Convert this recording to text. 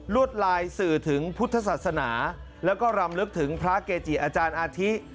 วดลายสื่อถึงพุทธศาสนาแล้วก็รำลึกถึงพระเกจิอาจารย์อาทิ